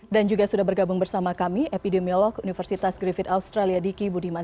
dan juga sudah bergabung bersama kami epidemiolog universitas griffith australia diki budiman